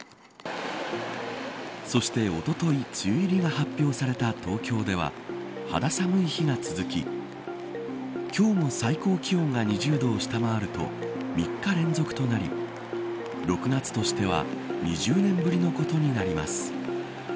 そして、おととい梅雨入りが発表された東京では肌寒い日が続き今日も最高気温が２０度を下回ると３日連続となり６月としては２０年ぶりのことになります。